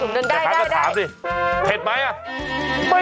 แม่ค้าก็ถามดิเผ็ดไหมอ่ะ